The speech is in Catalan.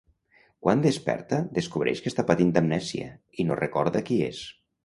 Quan desperta, descobreix que està patint d'amnèsia i no recorda qui és.